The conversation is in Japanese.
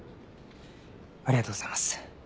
ありがとうございます。